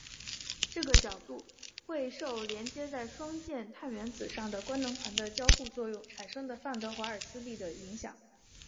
这个角度会受连接在双键碳原子上的官能团的交互作用产生的范德瓦耳斯力影响。